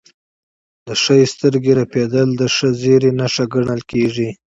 د ښي سترګې رپیدل د ښه زیری نښه ګڼل کیږي.